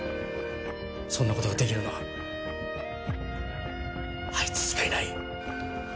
そんなことができるのはあいつしかいない。